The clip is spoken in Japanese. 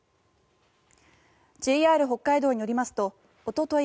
ＪＲ北海道によりますとおととい